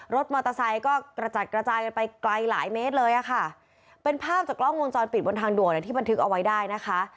รถมอเตอร์ไซค์ก็กระจัดกระจายกันไปไกลหลายเมตรเลยอะค่ะเป็นภาพจากกล้องวงจรปิดบนทางด่วนที่บันทึกเอาไว้ได้นะคะ